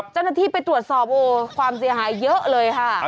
เจ้าหน้าที่ไปตรวจสอบโอ้ความเสียหายเยอะเลยค่ะ